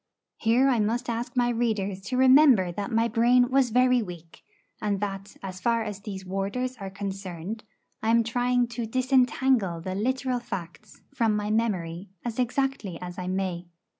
Here I must ask my readers to remember that my brain was very weak, and that, as far as these warders are concerned, I am trying to disentangle the literal facts from my memory as exactly as I may.